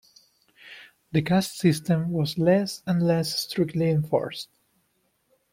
The caste system was less and less strictly enforced.